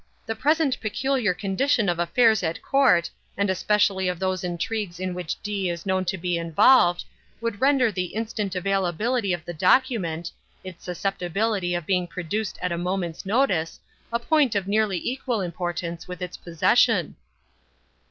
"The present peculiar condition of affairs at court, and especially of those intrigues in which D—— is known to be involved, would render the instant availability of the document—its susceptibility of being produced at a moment's notice—a point of nearly equal importance with its possession."